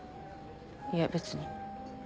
いや別に。